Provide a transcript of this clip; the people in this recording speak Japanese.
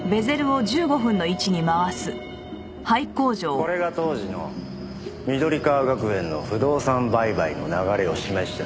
これが当時の緑川学園の不動産売買の流れを示した書類だよ。